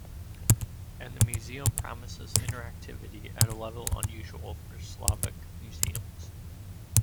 And the museum promises interactivity at a level unusual for Slovak museums.